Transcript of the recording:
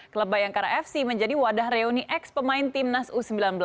klub bayangkara fc menjadi wadah reuni ex pemain timnas u sembilan belas